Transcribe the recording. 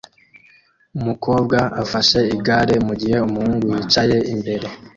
Umukobwa afashe igare mugihe umuhungu yicaye imbere